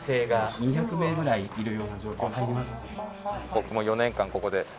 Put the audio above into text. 僕も４年間ここで。